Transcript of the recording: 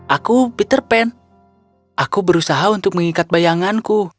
aku peter pan aku berusaha untuk mengikat bayanganku